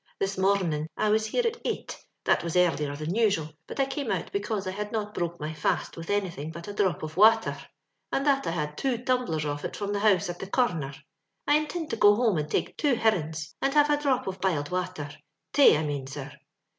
This morunning I was here at eight — that was earher than usual, but I came out because I had not broke my fast with anjrthmg but a drop of wather, and Uiat I had two tum blers of it from the house at the corrunner. I intind to go home and take two hirrings, and have a dbrop of biled wather — tayj I mane, sir.